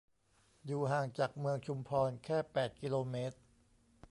อยู่ห่างจากเมืองชุมพรแค่ แปด กิโลเมตร